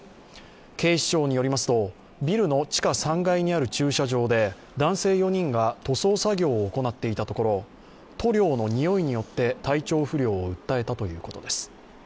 警視庁によりますと、ビルの地下３階にある駐車場で男性４人が塗装作業を行っていたところ塗料の臭いによって体調不良を訴えたということです。